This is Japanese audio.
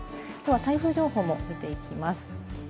では台風情報も見ていきます。